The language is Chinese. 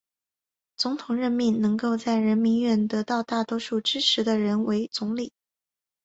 总统任命能够在人民院得到大多数支持的人为总理。